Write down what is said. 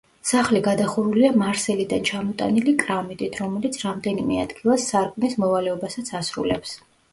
სახლი გადახურულია მარსელიდან ჩამოტანილი კრამიტით, რომელიც რამდენიმე ადგილას სარკმლის მოვალეობასაც ასრულებს.